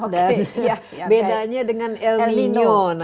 dan bedanya dengan el nino